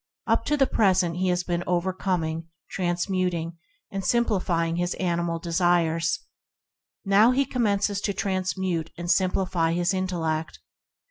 Up to the present he has been overcoming, THE FINDING OF A PRINCIPLE 57 transmuting, and simplifying his animal desires; now he commences to transmute and simplify his intellect.